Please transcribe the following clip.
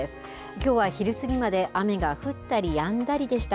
きょうは昼過ぎまで雨が降ったりやんだりでした。